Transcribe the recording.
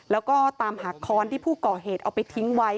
แล้วก็ตามหาค้อนที่ผู้ก่อเหตุเอาไปทิ้งไว้